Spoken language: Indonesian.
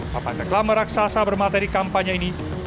papan reklama raksasa bermateri kampanye ini banyak ditemukan